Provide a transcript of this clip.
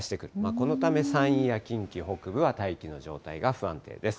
このため、山陰や近畿北部は大気の状態が不安定です。